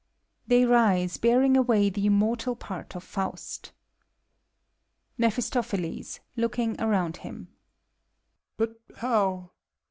{They riscy bearing away the immortal part of Faust.) MEPHISTOPHELES (looking around him). But how?